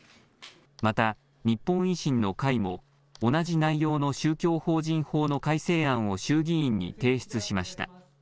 また、日本維新の会も同じ内容の宗教法人法の改正案を衆議院に提出しました。